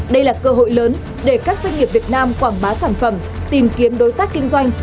đây là cơ hội lớn để các doanh nghiệp việt nam quảng bá sản phẩm tìm kiếm đối tác kinh doanh